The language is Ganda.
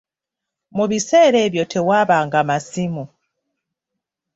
Mu bissera ebyo tewabanga masimu.